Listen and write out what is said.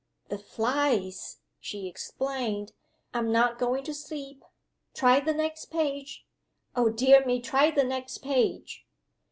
"The flies," she explained. "I'm not going to sleep. Try the next page. Oh, dear me, try the next page!"